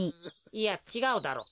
いやちがうだろ。